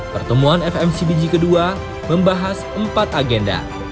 pertemuan fmcbg kedua membahas empat agenda